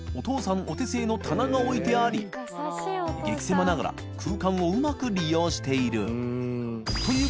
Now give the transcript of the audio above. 気お手製の棚が置いてあり齋礇札泙覆空間をうまく利用している磴箸いΔ